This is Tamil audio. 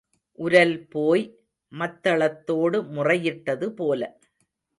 உரல் போய் மத்தளத்தோடு முறையிட்டது போல.